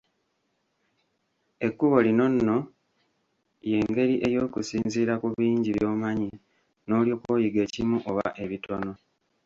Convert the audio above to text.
Ekkubo lino nno ye ngeri ey'okusinziira ku bingi by'omanyi n'olyoka oyiga ekimu oba ebitono.